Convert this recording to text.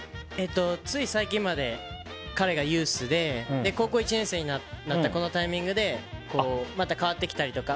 つい最近まで彼がユースで高校１年生になったこのタイミングでまた変わってきたりとか。